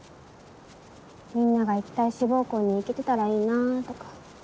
みんなが行きたい志望校に行けてたらいいなぁとか。